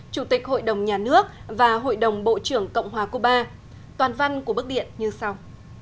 chủ tịch hội đồng nhà nước và hội đồng bộ trưởng cộng hòa cuba toàn văn của bức điện như sau